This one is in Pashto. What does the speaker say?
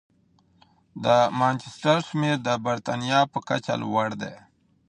د مانچسټر شمېر د بریتانیا په کچه لوړ دی.